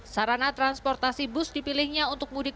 sarana transportasi bus dipilihnya untuk mudik